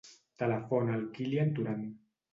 Telefona al Kylian Toran.